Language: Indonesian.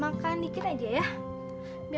aku pergi dulu ya